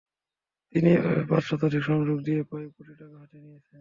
তিনি এভাবে পাঁচ শতাধিক সংযোগ দিয়ে প্রায় কোটি টাকা হাতিয়ে নিয়েছেন।